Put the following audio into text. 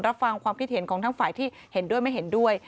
ฟังความคิดเห็นของทั้งฝ่ายที่เห็นด้วยไม่เห็นด้วย